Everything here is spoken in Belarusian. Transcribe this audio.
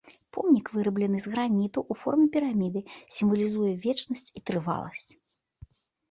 Помнік выраблены з граніту ў форме піраміды, сімвалізуе вечнасць і трываласць.